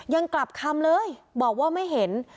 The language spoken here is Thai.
ยังกลับคำเลยบอกว่าไม่เห็น